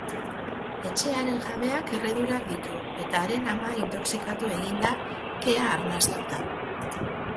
Etxearen jabeak erredurak ditu eta haren ama intoxikatu egin da, kea arnastuta.